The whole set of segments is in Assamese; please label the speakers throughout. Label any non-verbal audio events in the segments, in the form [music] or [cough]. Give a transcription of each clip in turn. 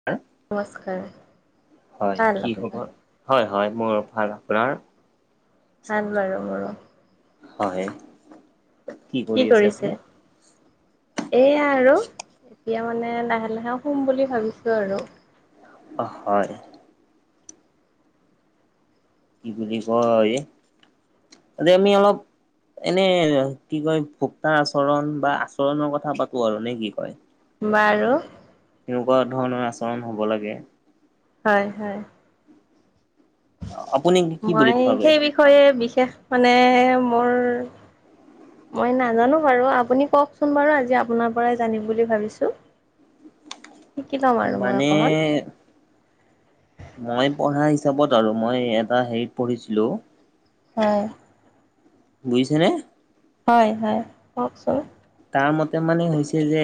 Speaker 1: [unintelligible]
Speaker 2: নমস্কাৰ
Speaker 1: হয়
Speaker 2: ভাল
Speaker 1: কি
Speaker 2: আপোনাৰ
Speaker 1: খবৰ, হয় হয় মোৰ ভাল আপোনাৰ।
Speaker 2: ভাল বাৰু মোৰ
Speaker 1: হয় কি কৰি আছে আপুনি
Speaker 2: এয়া আৰু এতিয়া মানে লাহে লাহে শুম বুলি ভাবিছো আৰু
Speaker 1: অ' হয় কি বুলি কয় আজি আমি অলপ। এনে কি কয় ভূক্তা আচৰণ বা আচৰণৰ কথা পাতো আৰু নে কি কয়।
Speaker 2: বাৰু
Speaker 1: কেনেকুৱা ধৰণৰ আচৰণ হ'ব লাগে
Speaker 2: হয় হয়
Speaker 1: আপুনি কি বুলি
Speaker 2: মই
Speaker 1: ভাবে?
Speaker 2: সেই বিষয়ে বিশেষ মানে মোৰ মই নাজানো বাৰু আপুনি কওকচোন বাৰু আজি আপোনাৰ পৰাই জানিম বুলি ভাবিছোঁ। [inaudible] ল'ম আৰু মই
Speaker 1: মানে
Speaker 2: অকণমান
Speaker 1: মই পঢ়া হিচাপত আৰু মই এটা হেৰিত পঢ়িছিলো
Speaker 2: হয়।
Speaker 1: বুজিছেনে?
Speaker 2: হয় হয় কওকচোন?
Speaker 1: তাৰ মতে মানে হৈছে যে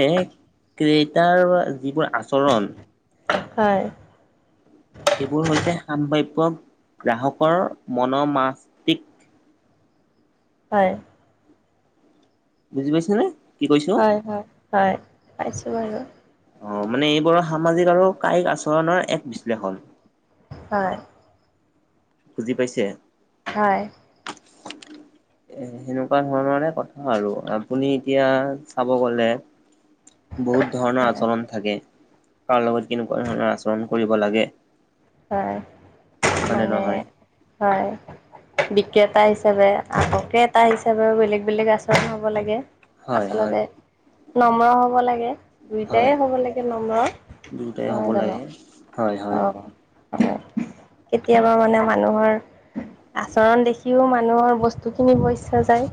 Speaker 1: ক্ৰেতাৰ যিবোৰ আচৰণ
Speaker 2: আহ হয়।
Speaker 1: সেইবোৰ হৈছে সাম্ভাবয় গ্ৰাহকৰ মনৰ মাছ
Speaker 2: হয়।
Speaker 1: বুজি পাইছ নে?
Speaker 2: হয় হয় হয় পাইছোঁ বাৰু।
Speaker 1: অ মানে এইবোৰৰ সামাজিক আৰু কায়িক আচৰণৰ এক বিশ্লেষণ।
Speaker 2: হয়।
Speaker 1: বুজি পাইছে?
Speaker 2: হয়।
Speaker 1: সেনেকুৱা ধৰণৰে কথা আৰু আপুনি এতিয়া চাব গ'লে
Speaker 2: [inaudible]
Speaker 1: বহুত ধৰণৰ
Speaker 2: হয়
Speaker 1: আচৰণ থাকে, কাৰ লগত কেনেকুৱা ধৰণৰ আচৰণ কৰিব লাগে?
Speaker 2: হয়
Speaker 1: হয় নে
Speaker 2: মানে
Speaker 1: নহয়?
Speaker 2: হয়। বিক্ৰেতা হিচাপে আগকে এটা হিচাপেও বেলেগ বেলেগ আচৰণ হ'ব লাগে।
Speaker 1: হয় হয়
Speaker 2: আচলতে নম্ৰ হব লাগে।
Speaker 1: হয়
Speaker 2: দুইটাই হ'ব লাগে নম্ৰ,
Speaker 1: দুয়োটাই হ'ব
Speaker 2: নহয় জানো?
Speaker 1: লাগে হয় হয়
Speaker 2: অঁ। অ, কেতিয়াবা মানে মানুহৰ আচৰণ দেখিও মানুহৰ বস্তুখিনি পইচা যায়।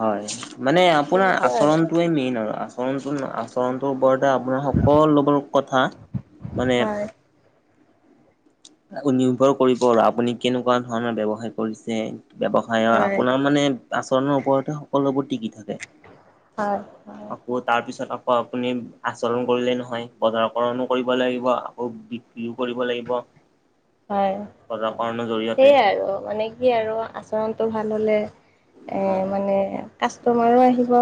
Speaker 1: হয় মানে আপোনাৰ
Speaker 2: সেনেকুৱা আৰু
Speaker 1: আচৰণটোৱে মেইন আৰু আচৰণটো আছ চৰণটো বৰটা আপোনাৰ সকলোবোৰ কথা মানে
Speaker 2: হয়
Speaker 1: নিৰ্ভৰ কৰিব আৰু আপুনি কেনেকুৱা ধৰণৰ ব্যৱসায় কৰিছে? ব্যৱ হয় অ আপোনাৰ মানে আচৰণৰ ওপৰতে সকলোবোৰ টিকি থাকে।
Speaker 2: হয় হয়।
Speaker 1: আকৌ তাৰপিছত আকৌ আপুনি আচৰণ কৰিলেই নহয় বজাৰকৰণো কৰিব লাগিব আকৌ বি ইউ কৰিব লাগিব।
Speaker 2: [inaudible] হয় হয়,
Speaker 1: বজাৰকৰণৰ জৰিয়তে
Speaker 2: সেয়াই আৰু মানে কি আৰু আচৰণটো ভাল হ'লে এ
Speaker 1: অ
Speaker 2: মানে কাষ্টমাৰো আহিব,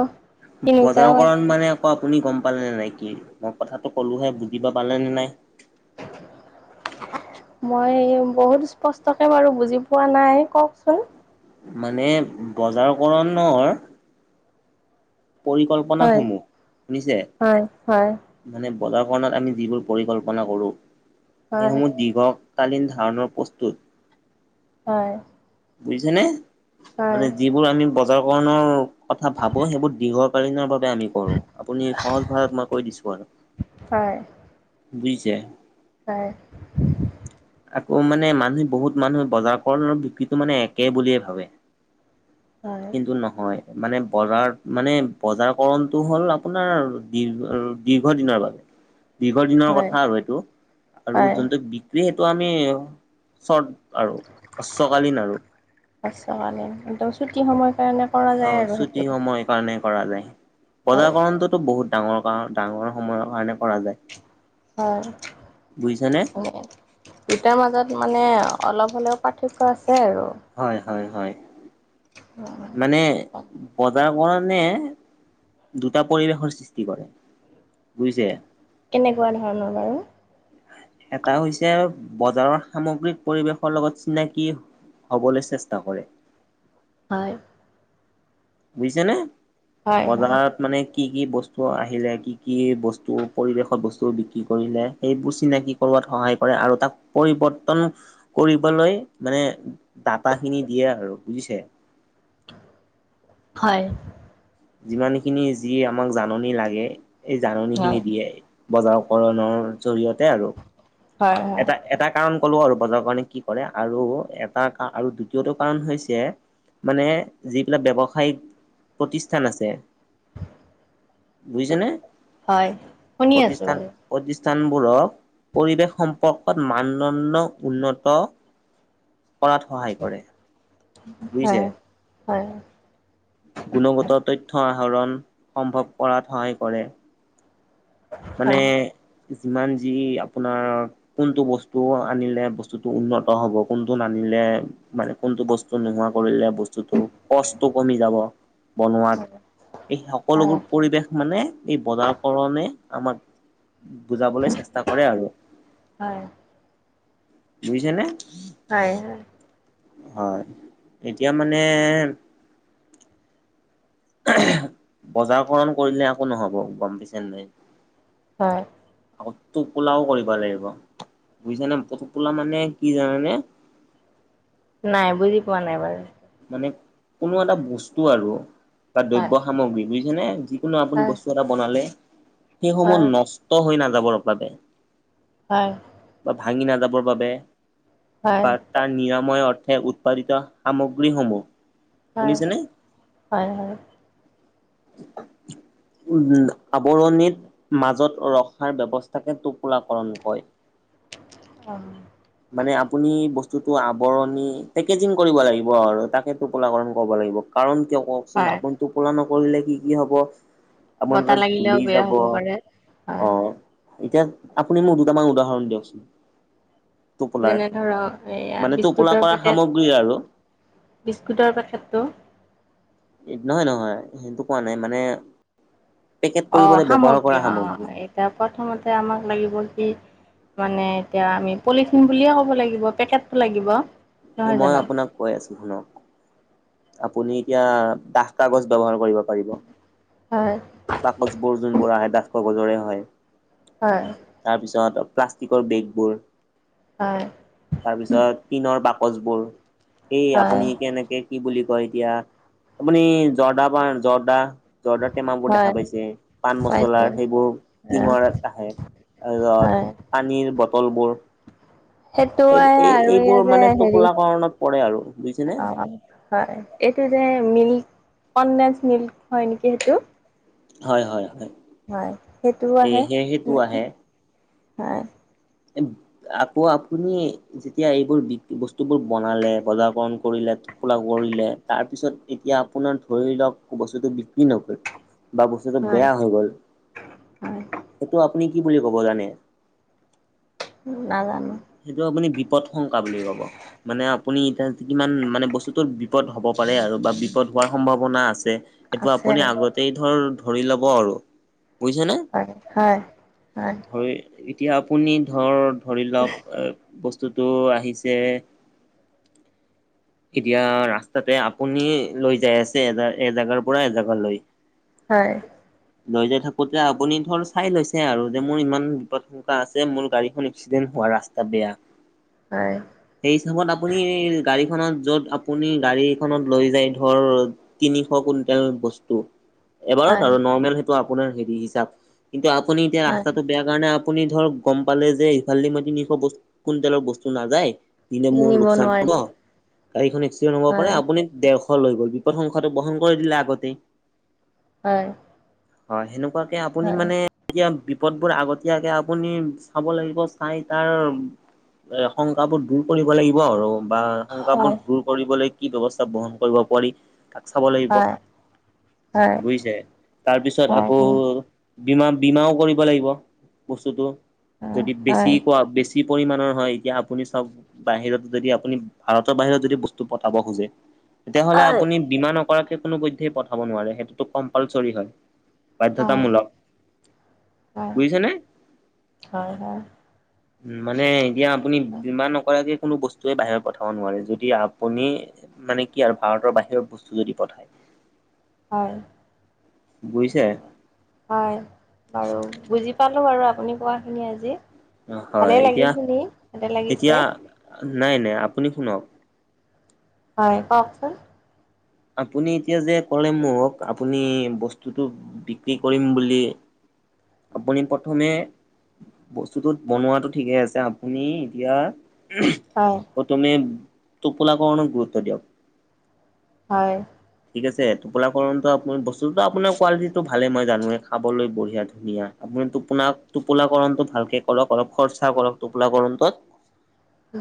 Speaker 2: তিনিটাও
Speaker 1: বজাৰকৰণ
Speaker 2: আহিব।
Speaker 1: মানে আকৌ আপুনি গম পালেনে নাই কি মই কথাটো ক'লোহে বুজিবা পালেনে নাই?
Speaker 2: [inaudible] মই বহুত স্পষ্টকে বাৰু বুজি পোৱা নাই কওকচোন?
Speaker 1: মানে বজাৰ কৰণৰ
Speaker 2: হয়
Speaker 1: পৰিকল্পনাসমূহ শুনিছে?
Speaker 2: হয় হয়
Speaker 1: মানে বজৰকৰণত আমি যিবোৰ পৰিকল্পনা কৰোঁ
Speaker 2: হয়
Speaker 1: সেইসমূহ দীঘক কালীন ধাৰণৰ প্ৰস্তুত
Speaker 2: হয়।
Speaker 1: বুজিছে নে?
Speaker 2: হয়
Speaker 1: মানে যিবোৰ আমি বজাৰ কৰণৰ কথা ভাবো সেইবোৰ দীঘল কলিনৰ বাবে আমি কৰো আপুনি সহজভাৱে মই কৈ দিছো আৰু।
Speaker 2: হয়
Speaker 1: বুজিছে?
Speaker 2: হয়।
Speaker 1: আকৌ মানে মানুহে বহুত মানুহে বজাৰ কৰন বিক টো মানে একে বুলিয়ে ভাবে
Speaker 2: হয়
Speaker 1: কিন্তু নহয়। মানে বজাৰত মানে বজাৰ কৰণটো হ'ল আপোনাৰ দীৰ্ঘ দীৰ্ঘ দিনৰ বাবে।
Speaker 2: [inaudible]
Speaker 1: দীৰ্ঘ দিনৰ
Speaker 2: হয়
Speaker 1: কথা আৰু এইটো আৰু
Speaker 2: হয়
Speaker 1: যোনটো বিক্ৰী সেইটো আমি চৰ্ট আৰু উশ্বকালীন আৰু।
Speaker 2: পাছ কালীন একদম ছুটি সময় কাৰণে কৰা
Speaker 1: অ
Speaker 2: যায় আৰু
Speaker 1: ছুটি
Speaker 2: সেইটো।
Speaker 1: সময় কাৰণে কৰা যায়।
Speaker 2: হয়
Speaker 1: বজাকৰণটোতো বহুত ডাঙৰ কাৰন ডাঙৰ সময়ৰ কাৰণে কৰা যায়।
Speaker 2: হয়
Speaker 1: বুজিছানে?
Speaker 2: এনে দুটাৰ মাজত মানে অলপ হ'লেও পাৰ্থক্য আছে আৰু।
Speaker 1: হয় হয় হয়।
Speaker 2: অ।
Speaker 1: মানে বজাৰ কৰণে দুটা পৰিৱেশৰ সৃষ্টি কৰে। বুইছে।
Speaker 2: কেনেকুৱা ধৰণৰ বাৰু?
Speaker 1: এটা হৈছে বজাৰৰ সামগ্ৰিক পৰিৱেশৰ লগত চিনাকি হ'বলৈ চেষ্টা কৰে।
Speaker 2: হয়।
Speaker 1: বুজিছে নে
Speaker 2: হয় হয়
Speaker 1: বজাৰত মানে কি কি বস্তু আহিলে কি কি বস্তু পৰিৱেশত বস্তু বিক্ৰী কৰিলে সেইবোৰ চিনাকি কৰোৱাত সহায় কৰে আৰু তাক পৰিৱৰ্তন কৰিবলৈ মানে ডাটাখিনি দিয়ে আৰু বুজিছে।
Speaker 2: হয়।
Speaker 1: যিমান খিনি যি আমাক জাননী লাগে এই
Speaker 2: হয়
Speaker 1: জাননীখিনি দিয়ে। বজাৰ কৰণৰ জৰিয়তে আৰু।
Speaker 2: হয় হয়।
Speaker 1: এটা এটা কাৰণ ক'লো আৰু বজাৰৰ কাৰণে কি কৰে আৰু এটা আৰু দ্বিতীয়টো কাৰণ হৈছে মানে যিবিলাক ব্যৱসায়িক প্ৰতি- স্থান আছে, বুজিছেনে?
Speaker 2: হয় শুনি আছো বাৰু।
Speaker 1: প্ৰতিষ্ঠানবোৰৰ পৰিৱেশ সম্পৰ্কত মানদণ্ড উন্নত
Speaker 2: [inaudible]
Speaker 1: কৰাত সহায় কৰে। বুজিছে।
Speaker 2: হয় হয়।
Speaker 1: গুণগত তথ্য আহৰণ সম্ভৱ কৰাত সহায় কৰে। মানে
Speaker 2: হয়
Speaker 1: যিমান যি আপোনাৰ কোনটো বস্তু আনিলে বস্তুটো উন্নত হ'ব কোনটো নানিলে মানে কোনটো বস্তু নোহোৱা কৰিলে বস্তুটো কষ্ট টো কমি যাব বনোৱাত। এই সকলোবোৰ
Speaker 2: হয়
Speaker 1: পৰিৱেশ মানে এই বজাৰ কৰণে আমাক বুজাবলৈ চেষ্টা কৰে আৰু।
Speaker 2: হয়।
Speaker 1: বুজিছেনে?
Speaker 2: হয় হয়।
Speaker 1: হয় এতিয়া মানে বজাৰ কৰণ কৰিলে একো নহব গম পাইছে নে নাই।
Speaker 2: হয়।
Speaker 1: আকৌ টোপোলাও কৰিব লাগিব বুজিছা নে টোপোলা মানে কি জানানে
Speaker 2: নাই বুজি পোৱা নাই এবাৰ।
Speaker 1: মানে কোনো এটা বস্তু আৰু বা
Speaker 2: হয়
Speaker 1: দ্ৰব্য সামগ্ৰী বুজিছেনে যিকোনো আপুনি
Speaker 2: হয়
Speaker 1: বস্তু এ- টা বনালে সেইসমূহ
Speaker 2: হয়
Speaker 1: নষ্ট হৈ নাযাবৰ বাবে
Speaker 2: হয়।
Speaker 1: বা ভাঙি নাযাবৰ বাবে
Speaker 2: হয়
Speaker 1: পাৰ্ত তাৰ নিৰাময় অৰ্থে উৎপাদিত সামগ্ৰীসমূহ
Speaker 2: হয়
Speaker 1: শুনিছেনে?
Speaker 2: হয় হয়
Speaker 1: উম, আৱৰণিত মাজত ৰখাৰ ব্যৱস্থাকে টোপোলাকৰণ কয়।
Speaker 2: হয়।
Speaker 1: মানে আপুনি বস্তুটো আৱৰণি পেকেজিং কৰিব লাগি- ব আৰু তাকে টোপোলা কাৰণ ক'ব লাগিব কাৰণ কিয় কওকচোন
Speaker 2: হয়
Speaker 1: আপুন- টোপোলা নকৰিলে কি কি হব? আপুনি
Speaker 2: বতাহ
Speaker 1: তাতেত
Speaker 2: লাগিলেও
Speaker 1: ধূলি
Speaker 2: বেয়া
Speaker 1: যাব
Speaker 2: হ'ব পাৰে হয়
Speaker 1: অ। এতিয়া আপুনি মোক দুটামান উদাহৰণ দিয়কচোন? টোপোলাৰ
Speaker 2: যেনে ধৰক এয়া
Speaker 1: মানে টোপোলা
Speaker 2: বিস্কুটৰ
Speaker 1: কৰা
Speaker 2: পেকেট
Speaker 1: সামগ্ৰী আৰু
Speaker 2: বিস্কুটৰ পেকেটটো।
Speaker 1: এট নহয় নহয় সেইটো কোৱা নাই মানে পেকেট কৰিবলে ব্যৱহাৰ কৰা সামগ্ৰী।
Speaker 2: তিয়া প্ৰথমতে আমাক লাগিব কি মানে এতিয়া আমি পলিথিন বুলিয়ে ক'ব লাগিব পেকেটটো লাগিব।
Speaker 1: এই
Speaker 2: নহয়
Speaker 1: মই
Speaker 2: জানো
Speaker 1: আপোনাক কৈ আছো। শুনক? আপুনি এতিয়া দাহ কাগজ ব্যৱহাৰ কৰিব পাৰিব।
Speaker 2: হয়
Speaker 1: বাকচবোৰ যোনবোৰ আহে ডাঠ কাগজৰে হয়।
Speaker 2: হয়।
Speaker 1: তাৰপিছত প্লাষ্টিকৰ বেগবোৰ
Speaker 2: হয়।
Speaker 1: তাৰপিছত টিনৰ বাকচবোৰ এই
Speaker 2: হয়
Speaker 1: আপুনি কেনেকে কি বুলি কয় এতিয়া আপুনি জৰ্দা পান জৰ্দা জৰ্দাৰ টেমাবোৰ দেখা
Speaker 2: হয়
Speaker 1: পাইছে, পাণ
Speaker 2: পাইছে
Speaker 1: মচলাৰ সেইবোৰ টিঙৰাত আহে। আৰু যত
Speaker 2: হয়
Speaker 1: পানীৰ বটল বোৰ এই
Speaker 2: সেইটোৱে
Speaker 1: এই
Speaker 2: আৰু এয়া
Speaker 1: এইবোৰ
Speaker 2: যে
Speaker 1: মানে
Speaker 2: হেৰি
Speaker 1: টোকোলাকৰণত পৰে আৰু বুজিছা নে।
Speaker 2: অ হয় এইটো যে মিল্ক কনডেঞ্চ মিল্ক হয় নেকি সেইটো।
Speaker 1: হয় হয় হয়।
Speaker 2: হয় সেইটোও
Speaker 1: এই
Speaker 2: আহে
Speaker 1: সেই সেইটো
Speaker 2: হেনেকে
Speaker 1: আহে
Speaker 2: হয়।
Speaker 1: [unintelligible] আকৌ আপুনি যেতিয়া এইবোৰ বি বস্তু বোৰ বনালে বজাৰ কৰণ কৰিলে ফোলা কৰিলে তাৰ পিছত এতিয়া আপোনাৰ ধৰি লওক বস্তুটো বিক্ৰী নগ'ল বা বস্তুটো
Speaker 2: হয়
Speaker 1: বেয়া হৈ গ'ল।
Speaker 2: হয়
Speaker 1: সেইটো আপুনি কি বুলি ক'ব জানে?
Speaker 2: নাজানো।
Speaker 1: সেইটো আপুনি বিপদ শংকা বুলি ক'ব। মানে আপুনি এতিয়া কিমান মানে বস্তুতৰ বিপদ হ'ব পাৰে আৰু বা বিপদ হোৱাৰ সম্ভাৱনা আছে। এইটো
Speaker 2: আছে
Speaker 1: আপুনি আগতেই ধৰ ধৰি ল'ব আৰু বুজিছানে?
Speaker 2: হয় হয় হয়।
Speaker 1: ধই এতিয়া আপুনি ধৰ ধৰি লওক বস্তুটো আহিছে। এতিয়া ৰাস্তাতে আপুনি লৈ যাই আছে এজা এজেগাৰ পৰা এজাগা লৈ।
Speaker 2: হয়।
Speaker 1: লৈ যাই থাকোতে আপুনি ধৰ চাই লৈছে আৰু যে মোৰ ইমান বিপদ এনেকা আছে মোৰ গাড়ীখন এক্সিডেণ্ট হোৱা ৰাস্তা বেয়া।
Speaker 2: হয়।
Speaker 1: সেই হিচাপত আপুনি গাড়ীখনত য'ত আপুনি গাড়ীখনত লৈ যায় ধৰ তিনিশ কুইণ্টেল বস্তু। এবাৰত
Speaker 2: হয়
Speaker 1: আৰু নৰ্মেল সেইটো আপোনাৰ হেৰি হিচাপ কিন্তু আপুনি এতিয়া
Speaker 2: হয়
Speaker 1: ৰাস্তাটো বেয়া কাৰণে আপুনি ধৰ গম পালে যে ইফালে দি মই তিনিশ বস্ত কুইণ্টেলৰ বস্তু নাযায়। পিনে মোৰ
Speaker 2: নিব
Speaker 1: লোকচান
Speaker 2: নোৱাৰি
Speaker 1: হব। গাড়ীখন এক্সিডেণ্ট হব পাৰে
Speaker 2: হয়
Speaker 1: আপুনি ডেৰশ লৈ গ'ল বিপদ সংখাটো বহন কৰি দিলে আগতেই।
Speaker 2: হয়।
Speaker 1: হয় সেনেকুৱাকে আপুনি
Speaker 2: হয়
Speaker 1: মানে এতিয়া বিপদবোৰ আগতীয়াকে আপুনি চাব লাগিব চাই তাৰ এই শংকাবোধ দূৰ কৰিব লাগিব আৰু বা শংকাবোধ
Speaker 2: হয়
Speaker 1: দূৰ কৰিবলৈ কি ব্যৱস্থা বহণ কৰিব পাৰি তাক চাব লাগিব
Speaker 2: হয় হয় হয়
Speaker 1: বুইছে তাৰপিছত
Speaker 2: হয় হয়
Speaker 1: আকৌ
Speaker 2: হয়
Speaker 1: বীমা বীমাও কৰিব লাগিব বস্তুটো যদি বেছি
Speaker 2: হয় হয়
Speaker 1: কোৱা বেছি বেছি পৰিমাণৰ হয় এতিয়া আপুনি চাওক বাহিৰত যদি আপুনি ভাৰতৰ বাহিৰত যদি বস্তু পথাব খোজে তেতিয়াহ'লে আপুনি বীমা নকৰাকে কোনো পধ্যেই পঠাব নোৱাৰে সেইটোতো কম্পালচৰি হয়
Speaker 2: হয়
Speaker 1: বাধ্যতামূলক বুজিছানে উম মানে এতিয়া আপুনি
Speaker 2: হয়
Speaker 1: বীমা নকৰাকে কোনো বস্তুৱে বাহিৰ পঠা পঠাব নোৱাৰে, যদি আপুনি মানে কি আৰু ভাৰতৰ বাহিৰত বস্তু যদি পঠায়
Speaker 2: হয়
Speaker 1: বুজিছে
Speaker 2: হয় বাৰু বুজি পালোঁ বাৰু আপুনি কোৱাখিনি আজি। ভালে
Speaker 1: হয়
Speaker 2: লাগিল
Speaker 1: এতিয়া
Speaker 2: শুনি ভালে লাগিছে।
Speaker 1: এতিয়া নাই নাই আপুনি শুনক
Speaker 2: হয় কওকচোন
Speaker 1: আপুনি এতিয়া যে ক'লে মোক আপুনি বস্তুটো বিক্ৰী কৰিম বুলি আপুনি প্ৰথমে বস্তুটোত বনোৱাটো ঠিকে আছে আপুনি এতিয়া
Speaker 2: হয়
Speaker 1: তুমি টোপোলাকৰণক গুৰুত্ব দিয়ক
Speaker 2: হয়
Speaker 1: ঠিক আছে টোপোলাকণটো আপুনি বস্তুটো আপোনাৰ কোৱালিটিটো ভালেই মই জানোৱেই খাবলৈ বঢ়িয়া ধুনীয়া আপুনি টোপোনাক টোপোলাকৰণটো ভালকে কৰক অলপ খৰচা কৰক টোপোলা কৰণটোত।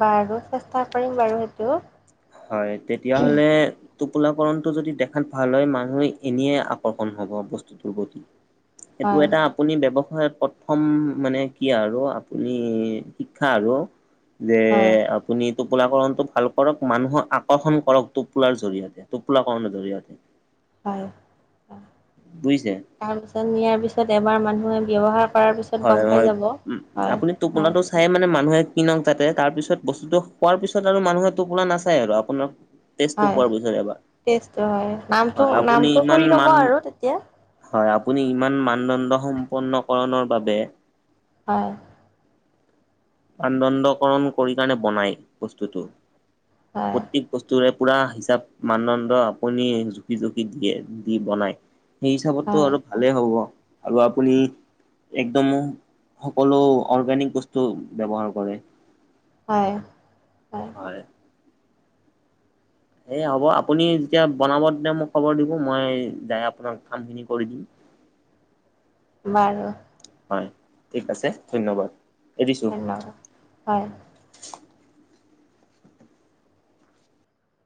Speaker 2: বাৰু চেষ্টা কৰিম বাৰু সেইটো।
Speaker 1: হয় তেতিয়াহ'লে টোপোলাকণটো যদি দেখাত ভাল হয় মানুহে এনেই আকৰ্ষণ হব বস্তুটোৰ প্ৰতি। সেইটো
Speaker 2: হয়
Speaker 1: এটা আপুনি ব্যৱসায়ত প্ৰথম মানে কি আৰু আপুনি শিক্ষা আৰু যে
Speaker 2: হয়
Speaker 1: আপুনি টোপোলাকণটো ভাল কৰক। মানুহক আকৰ্ষণ কৰক টোপোলাৰ জৰিয়তে, টোপোলা কৰণৰ জৰিয়তে।
Speaker 2: হয় হয়
Speaker 1: বুজিছে।
Speaker 2: তাৰপিছত নিয়াৰ পিছত এবাৰ মানুহে ব্যৱহাৰ কৰাৰ পিছত
Speaker 1: হয়
Speaker 2: গম পাই
Speaker 1: হয়
Speaker 2: যাব
Speaker 1: উম
Speaker 2: হয়
Speaker 1: আপুনি
Speaker 2: হয়।
Speaker 1: টোপোলাটো চাই মানে মানুহে কিনক যাতে, তাৰ পিছত বস্তুটো হোৱাৰ পিছত আৰু মানুহে টোপোলা নাচায় আৰু আপোনাক তেজটো
Speaker 2: হয়
Speaker 1: পোৱাৰ পিছত এবাৰ,
Speaker 2: টেষ্টটো হয় নামটো
Speaker 1: হয় আপুনি
Speaker 2: নামটো
Speaker 1: ইমান
Speaker 2: কৰি ল'ব
Speaker 1: মান,
Speaker 2: আৰু তেতিয়া
Speaker 1: হয় আপুনি ইমান মানদণ্ড সম্পন্নকৰণৰ বাবে
Speaker 2: হয়।
Speaker 1: মানদণ্ডকৰণ কৰি কাৰণে বনাই বস্তুটো,
Speaker 2: হয়
Speaker 1: প্ৰটিক বস্তুৰে পুৰা হিচাপ মানদণ্ড আপুনি জুখি জুখি দিয়ে দি বনাই। সেই হিচাপততো
Speaker 2: হয়
Speaker 1: আৰু ভালেই হ'ব, আৰু আপুনি একদমো সকলো অৰ্গেনিক বস্তু ব্যৱহাৰ কৰে।
Speaker 2: হয় হয়।
Speaker 1: হয়। সেয়া হ'ব আপুনি যেতিয়া বনাব তেতিয়া মোক খবৰ দিব, মই যাই আপোনাক কামখিনি কৰি দিম।
Speaker 2: বাৰু।
Speaker 1: হয় ঠিক আছে ধন্যবাদ এৰিছোঁ।
Speaker 2: হয়।